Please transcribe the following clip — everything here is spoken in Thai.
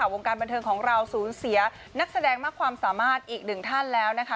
วงการบันเทิงของเราสูญเสียนักแสดงมากความสามารถอีกหนึ่งท่านแล้วนะคะ